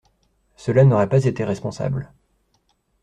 Cela n’aurait pas été responsable.